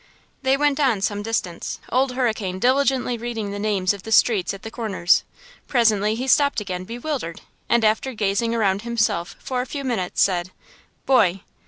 They went on some distance, Old Hurricane diligently reading the names of the streets at the corners. Presently he stopped again, bewildered, and after gazing around himself for a few minutes, said: "Boy!"